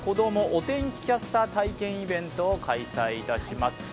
お天気キャスター体験イベントを開催します。